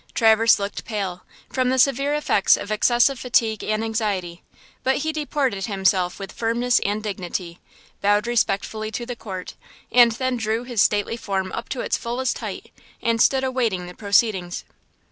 Traverse looked pale, from the severe effects of excessive fatigue and anxiety, but he deported himself with firmness and dignity, bowed respectfully to the court, and then drew his stately form up to its fullest height, and stood awaiting the proceedings.